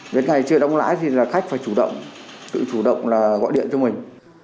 đến ngày chưa đóng lãi thì là khách phải chủ động tự chủ động là gọi điện cho mình